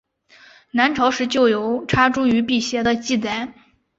南朝时就有插茱萸辟邪的记载。